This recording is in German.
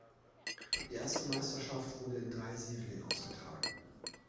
Die erste Meisterschaft wurde in drei Serien ausgetragen.